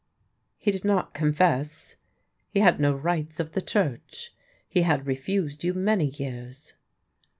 " He did not confess ; he had no rites of the Church ; he had refused you many years."